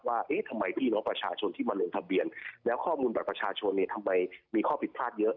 เอ๊ะทำไมพี่น้องประชาชนที่มาลงทะเบียนแล้วข้อมูลบัตรประชาชนเนี่ยทำไมมีข้อผิดพลาดเยอะ